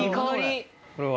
これは。